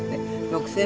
６０００